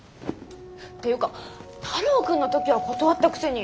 ていうか太郎君の時は断ったくせに。